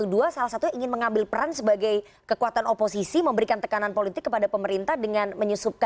berarti pa dua ratus dua belas salah satunya ingin mengambil peran sebagai kekuatan oposisi memberikan tekanan politik kepada pemerintah dengan membuatnya lebih berat